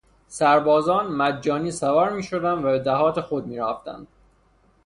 سربازان مجانی سوار میشدند و به دهات خود میرفتند.